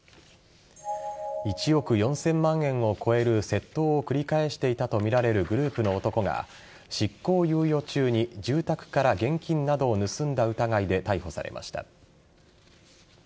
１億４０００万円を超える窃盗を繰り返していたとみられるグループの男が執行猶予中に住宅から現金などを盗んだ疑いで逮捕されました。